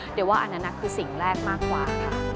เดี๋ยวว่าอันนั้นคือสิ่งแรกมากกว่าค่ะ